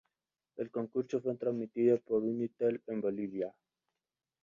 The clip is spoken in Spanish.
El concurso fue transmitido por Unitel en Bolivia.